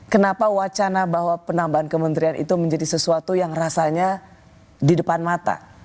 kenapa wacana bahwa penambahan kementerian itu menjadi sesuatu yang rasanya di depan mata